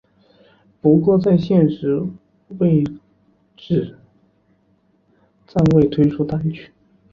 不过在现时为止暂未推出单曲。